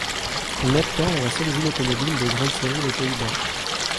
NedCar est la seule usine automobile de grande série des Pays-Bas.